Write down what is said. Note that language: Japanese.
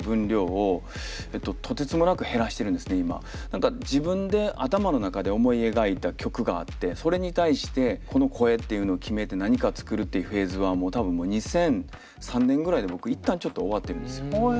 何か自分で頭の中で思い描いた曲があってそれに対してこの声っていうのを決めて何か作るっていうフェーズはもう多分２００３年ぐらいで僕一旦ちょっと終わってるんですよ。